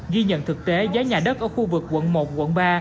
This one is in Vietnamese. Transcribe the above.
ghi nhận thực tế giá nhà đất ở khu vực quận một quận ba